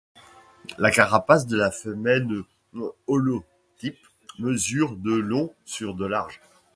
La carapace de la femelle holotype mesure de long sur de large.